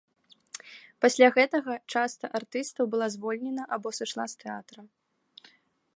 Пасля гэтага часта артыстаў была звольнена або сышла з тэатра.